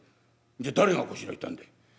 「じゃ誰がこしらえたんだい？」。